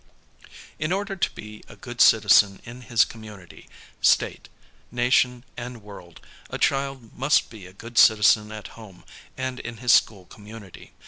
In order to be a good citizen in his community, State. Nation, and world, a child must be a good citizen at home and in his school community.